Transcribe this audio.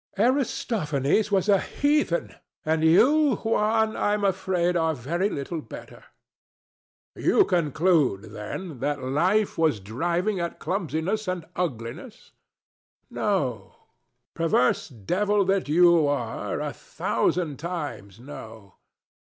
ANA. Aristophanes was a heathen; and you, Juan, I am afraid, are very little better. THE DEVIL. You conclude, then, that Life was driving at clumsiness and ugliness? DON JUAN. No, perverse devil that you are, a thousand times no.